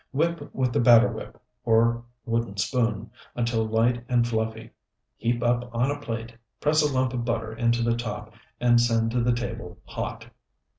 Whip with the batter whip, or wooden spoon, until light and fluffy. Heap up on a plate, press a lump of butter into the top, and send to the table hot.